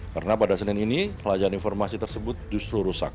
karena pada senin ini layar informasi tersebut justru rusak